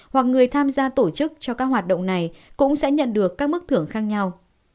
hoặc người tham gia tổ chức cho các hoạt động này cũng sẽ nhận được các mức thưởng khác nhau